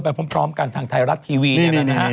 พร้อมกันทางไทยรัฐทีวีนี่แหละนะฮะ